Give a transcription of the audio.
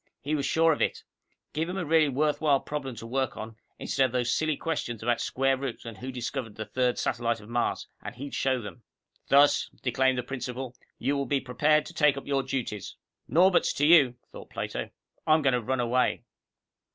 He was sure of it. Give him a really worthwhile problem to work on, instead of these silly questions about square roots and who discovered the third satellite of Mars, and he'd show them. "Thus," declaimed the principal, "you will be prepared to take up your duties " "Norberts to you," thought Plato. "I'm going to run away."